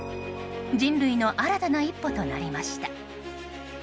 人類の新たな一歩となりました。